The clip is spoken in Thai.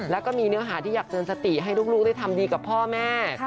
แล้วก็มีเนื้อหาที่อยากเตือนสติให้ลูกได้ทำดีกับพ่อแม่